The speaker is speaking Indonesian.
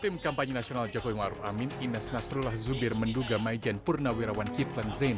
tim kampanye nasional joko ingor amin ines nasrullah zubir menduga my gen purnawirawan